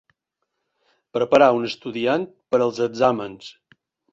Preparar un estudiant per als exàmens.